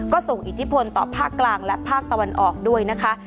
ก็ส่งอิทธิพลต่อภาคกลางและภาคตะวันออกด้วยนะคะ